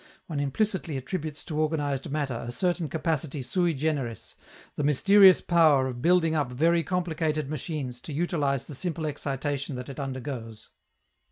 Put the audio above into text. One implicitly attributes to organized matter a certain capacity sui generis, the mysterious power of building up very complicated machines to utilize the simple excitation that it undergoes.